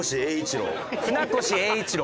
船越英一郎。